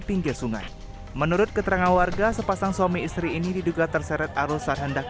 pinggir sungai menurut keterangan warga sepasang suami istri ini diduga terseret arus saat hendak